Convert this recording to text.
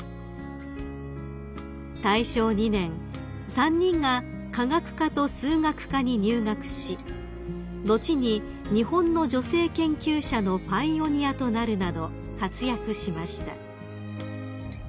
［大正２年３人が化学科と数学科に入学し後に日本の女性研究者のパイオニアとなるなど活躍しました］